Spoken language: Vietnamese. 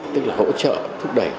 tức là hỗ trợ thúc đẩy